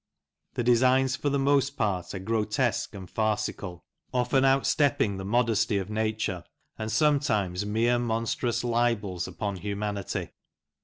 The designs for the most part are grotesque and farcical — often outstepping the yS Lancashire Gleanings. modesty of nature, and sometimes mere monstrous libels upon humanity.